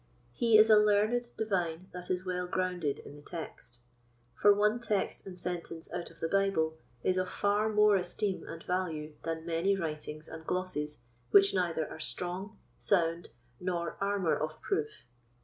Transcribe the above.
He is a learned Divine that is well grounded in the Text; for one text and sentence out of the Bible is of far more esteem and value than many writings and glosses, which neither are strong, sound, nor armour of proof.